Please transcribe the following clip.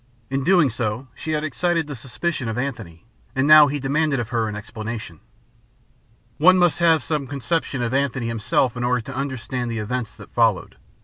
In so doing she had excited the suspicion of Antony, and he now demanded of her an explanation. One must have some conception of Antony himself in order to understand the events that followed.